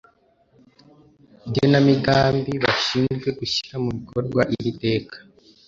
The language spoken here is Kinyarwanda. igenamigambi bashinzwe gushyira mu bikorwa iri teka